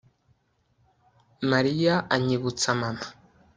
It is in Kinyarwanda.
Mariya anyibutsa mama